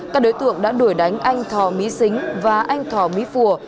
các đối tượng đã đuổi đánh anh thò mỹ xính và anh thò mỹ phùa